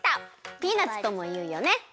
ピーナツともいうよね。